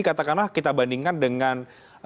katakanlah kita bandingkan dengan